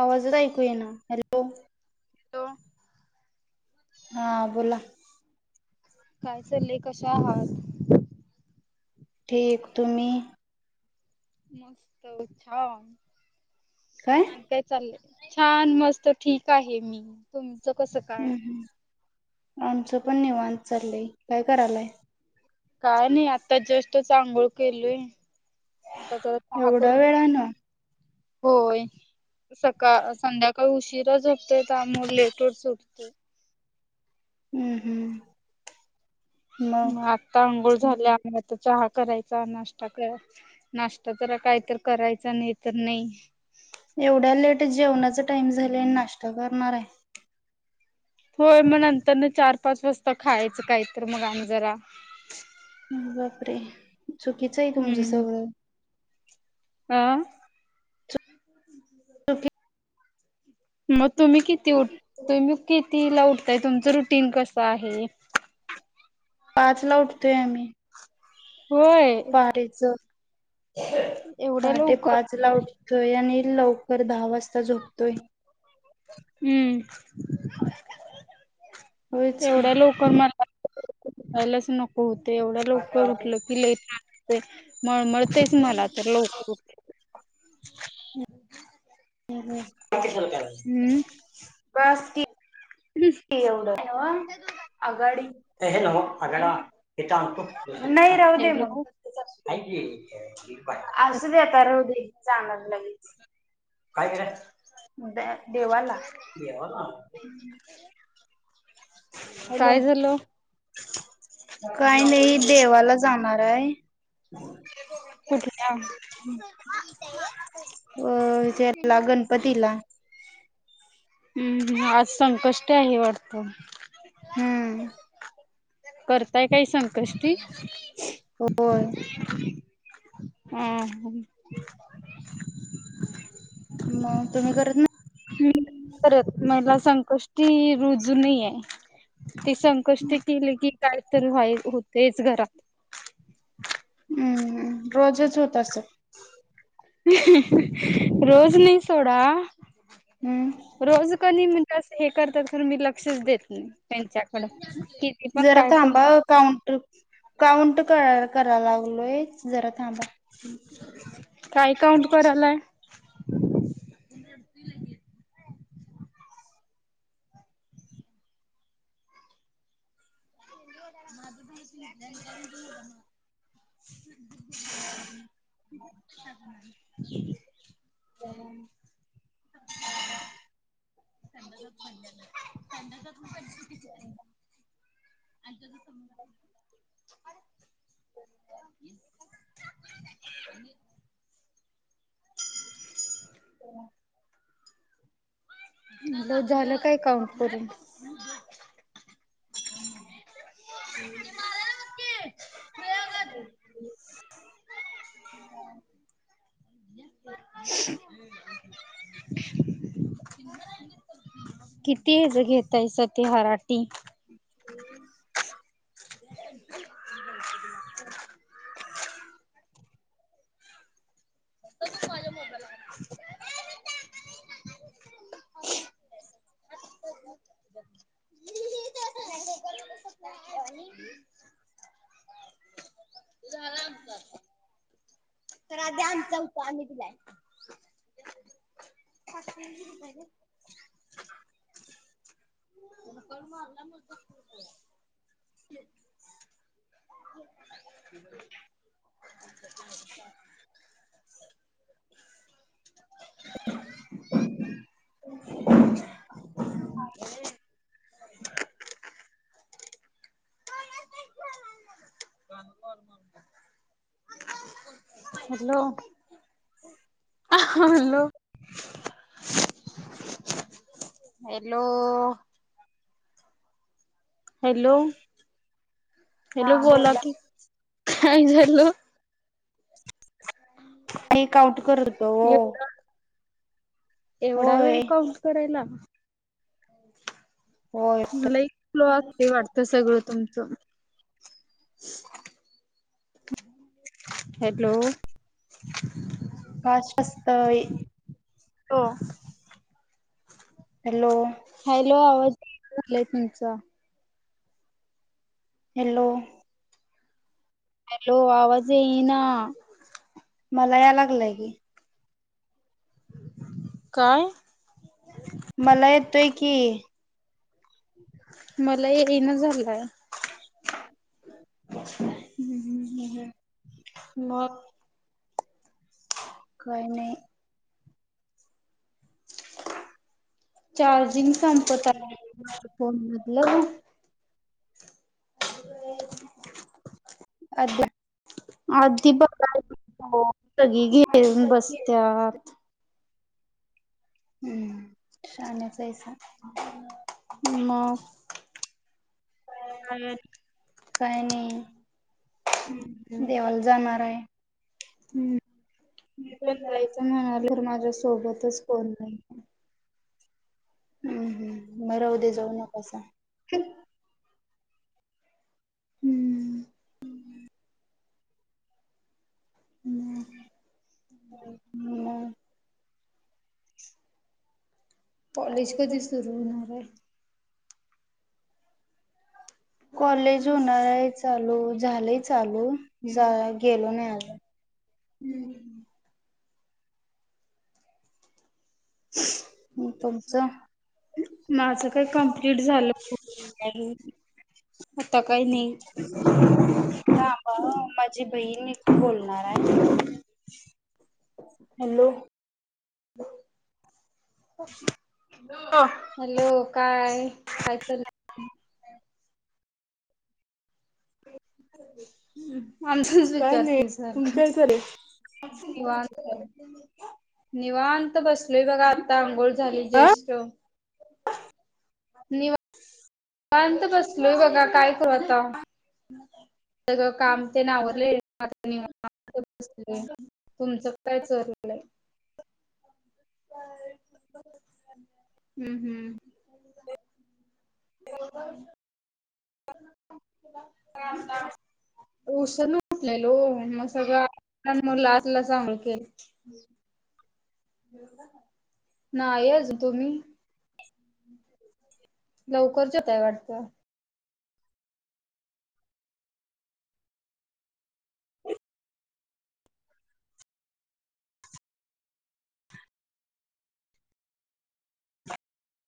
आवाजच ऐकू येइना hello hello हा बोला काय चाललय कशा आहात? ठीक तुम्ही? मस्त छान आणि काय चाललय? छान मस्त ठीक आहे मी तुम्ही? च कस काय? हम्म हम्म आमचं पण निवाण चाललंय काय करायलाय? काय नाही आता जस्ट तेच आंघोळ केलोय. आता जरा चहा एवढा करून पी. वेळान होय सका संध्याकाळी उशीरा ते त्यामुळे लेटच होतोय. हम्म हम्म. म मग आत्ता आंगोळ झाल्या म आत्ता चहा करायचा, नाश्ता का नाश्ता जरा काय तर करायचा नाही तर नाही. एवढ्या लेट जेवणाचा टाईम झा प्लेन नाष्टा करणार आहे. होय मग नंतर नी चार पाच वाजता खायचं काही तर मग आणि जरा बापरे चुकीचं आहे तुमचं सगळं आ चुकी मग तुम्ही किती उ तुम्ही कितीला उठताय तुमचं रुटीन कसं आहे? पाच ला उठतोय आम्ही. होय पारीज एवढ्या पहाटे लवकर पाच ला उठतोय आणि लवकर दहा वाजता झोपतोय. हम्म. होयच की एवढ्या लवकर मला पाहिलास नकोत ते एवढ्या ललव कर उठलं कि लई ते मळमळतेच मला तर लवकर उठ हम् हम्म हम्म. हम्म बस की एवढं ना आगाडी एक आणतो नाही राहू दे मग हॅलो हाय की. असू दे, आता राहू दे. जाणार लगेच काय देवाला देवाला हलो काय झालं? काही नाही देवाला जाण मारा हके हहा अ जला गणपती ला हम्म आज संकष्ट आहे वाटत. हम्म करताय काही संकष्टी होय. हम् मग तुम्ही करत नाही करत महिला संकष्टी रुजू नाही आहे. ते संकष्टीकेले की काय तरी वाईच होतेच घरात हम्म रोजच होत असल. ह् ह् रोज नाही सोडा हम्म रोज कनी म्हण स हे करत तर मी लक्षच देत नाही. त्यांच्याकड किती पण जरा काय पण थांबा काउंट काउंट क करायलाव. बलोय जरा थांबा. काय काउंट करायलाय. गोल्याला भाज म [unintelligible] हम् ह [unintelligible] हो [unintelligible] अंद [unintelligible] हम् अता [unintelligible] ह [unintelligible] [unintelligible] हो [unintelligible] म झालं काय काउंट करून हम् [unintelligible] ह किती हेच घेतायसा [unintelligible] टी अ्छ ह ह [unintelligible] [unintelligible] त त माझ मोबला [inaudible] [unintelligible] ह् [unintelligible] तर आधी आमचा हुता आमी दिलाय. फ [unintelligible] [unintelligible] मारला [unintelligible] [unintelligible] ह [unintelligible] [inaudible] कामा [unintelligible] हॅलो अ हं हॅलो हॅलो हॅलो हॅलो बोला की काय झालं. टेक आउट करत होतो. एवढा एवढा वेळ होय काउंट करायला. होय मला एक फ्लो असते वाटतं सगळं तुमचं हॅलो, पाच असतय हो हॅलो, हॅलो आवाज झालाय तुमचा हॅलो, हॅलो आवाज येईना, मला या लागलंय की, काय मला येतय की, मला येई ना झालंय, हु हू मग काय नाय चार्जिंग संपत अलय फोन मधल. अ [unintelligible] अ [unintelligible] अधप काय [unintelligible] सगळी घेऊन बसत्यात. हम्म शान्यास हैसा म म हम्म काय नाही देवाला ह जाणार आहे हम् चलाच म्हणाल तर माझ्या सोबतच कोण नाही. हम्म हम् बरा उद्या जाऊ नकोसा. हम्म मग हम्म कॉलेज कधी सुरू होणार आहे. कॉलेज होणार आहे चालू झालंय चालू गेलो नाही आज हम्म तुमचं माझं काय कम्प्लीट झालं. [unintelligible] आता काही नाही का माझी बहीण बोलणार आहे. हॅलो ह. हॅलो काय काय चाल हम्म आमजच काय नाही विचारती सारखं तुमच्या इकडे निवांत निवांत बसलोय बघा आता अंघोळ झाली जेष्ठ निवांत निवांत बसलोय बघा काय करू आता सगळ काम तेन आवरलय. [unintelligible] तुमचं काय चाललंय? हम् हम्म आता उसण उठलेल हो मग सगळं म लाटला सांग केेल. नाही अजून तुम्ही? लवकर जेवताय वाटत [inaudible]